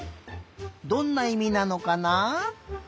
どんないみなのかな？